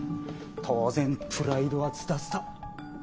当然プライドはズタズタ。